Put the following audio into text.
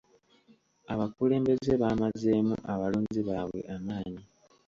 Abakulembeze baamazeemu abalonzi baabwe amaanyi.